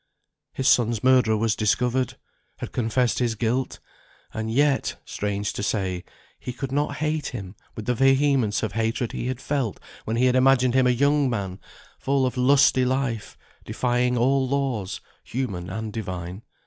His son's murderer was discovered; had confessed his guilt; and yet (strange to say) he could not hate him with the vehemence of hatred he had felt, when he had imagined him a young man, full of lusty life, defying all laws, human and divine.